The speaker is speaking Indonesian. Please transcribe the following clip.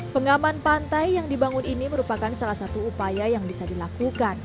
pengaman pantai yang dibangun ini merupakan salah satu upaya yang bisa dilakukan